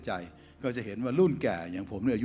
เพราะฉะนั้นเราทำกันเนี่ย